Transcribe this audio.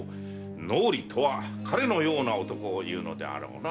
能吏とは彼のような男をいうのであろうな。